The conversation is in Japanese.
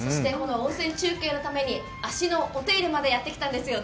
温泉中継のために足のお手入れまでやってきたんですよね。